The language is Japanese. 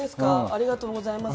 ありがとうございます。